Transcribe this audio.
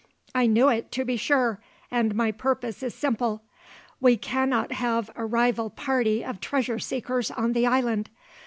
"I knew it, to be sure, and my purpose is simple. We cannot have a rival party of treasure seekers on the island.